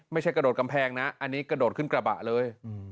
ไม่ใช่กระดูกกำแพงนะอันนี้กระโดดขึ้นกระบะเลย